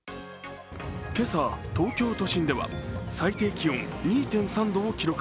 今朝、東京都心では最低気温２．６度を記録。